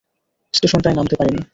স্টেশনটায় নামতে পারিনি।